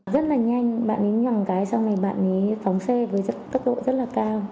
rất là nhanh bạn ấy nhòng cái sau này bạn ấy phóng xe với tốc độ rất là cao